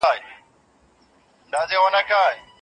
د اسلام تاريخ د وياړونو څخه ډک دی.